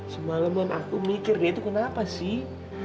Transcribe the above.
semalam kan aku mikir dia itu kenapa sih